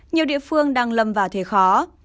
nhiều địa phương đang lâm vào thế khó